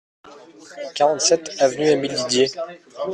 quarante-sept avenue Émile Didier